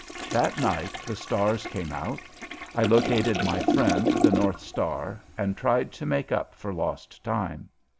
That night the stars came out; I located my friend, the North Star, and tried to make up for lost time.